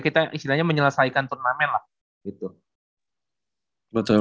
kita istilahnya menyelesaikan tournament lah